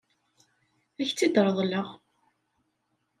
Ad k-tt-id-reḍleɣ.